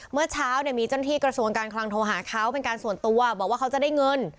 เมื่อเช้าเนี่ยมีเจ้าหน้าที่กระทรวงการคลังโทรหาเขาเป็นการส่วนตัวบอกว่าเขาจะได้เงิน